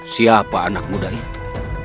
siapa anak muda itu